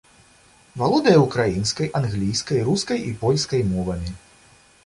Валодае украінскай, англійскай, рускай і польскай мовамі.